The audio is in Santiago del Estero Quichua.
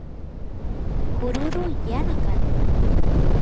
kururu yana kan